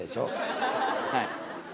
はい。